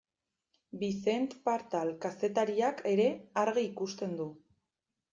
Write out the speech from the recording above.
Vicent Partal kazetariak ere argi ikusten du.